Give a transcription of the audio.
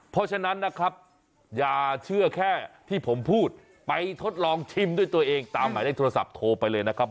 เพราะฉะนั้นนะครับอย่าเชื่อแค่ที่ผมพูดไปทดลองชิมด้วยตัวเองตามหมายเลขโทรศัพท์โทรไปเลยนะครับ